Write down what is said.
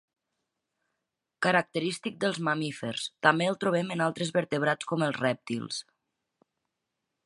Característic dels mamífers, també el trobem en altres vertebrats com els rèptils.